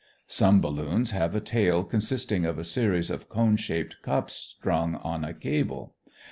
Some balloons have a tail consisting of a series of cone shaped cups strung on a cable.